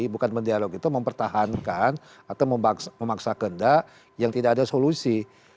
bukan mendialog itu mempertahankan atau memaksa kendak yang tidak ada solusi